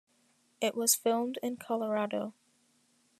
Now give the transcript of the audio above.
It was filmed in Colorado.